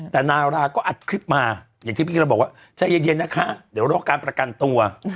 แต่นาราก็อัดคลิปมาอย่างที่พี่เราบอกว่าใจเย็นนะคะเดี๋ยวรอการประกันตัว